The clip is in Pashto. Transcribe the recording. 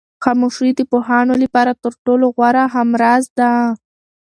خاموشي د پوهانو لپاره تر ټولو غوره همراز ده.